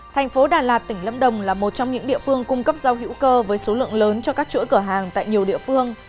thành phố đà lạt tỉnh lâm đồng là một trong những địa phương cung cấp rau hữu cơ với số lượng lớn cho các chuỗi cửa hàng tại nhiều địa phương